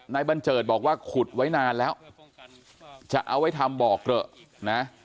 บันเจิดบอกว่าขุดไว้นานแล้วจะเอาไว้ทำบอกเกลอะนะ